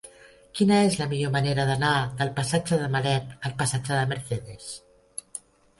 Quina és la millor manera d'anar del passatge de Malet al passatge de Mercedes?